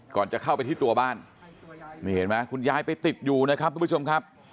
ก่อนจะเข้าไปที่ตัวบ้านคุณยายไปติดอยู่นะครับทุกผู้ชมครับ